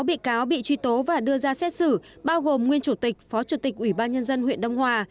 sáu bị cáo bị truy tố và đưa ra xét xử bao gồm nguyên chủ tịch phó chủ tịch ủy ban nhân dân huyện đông hòa